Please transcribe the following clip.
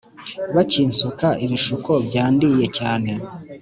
Bakinsuka ibisuko byandiye cyane